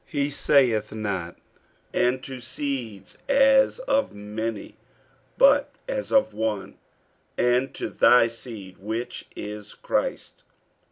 He saith not, And to seeds, as of many; but as of one, And to thy seed, which is Christ.